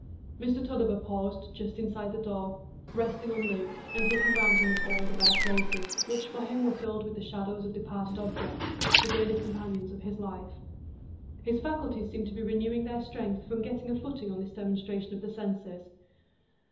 Mr Tulliver paused just inside the door, resting on Luke, and looking round him at all the bare places, which for him were filled with the shadows of departed objects,—the daily companions of his life. His faculties seemed to be renewing their strength from getting a footing on this demonstration of the senses.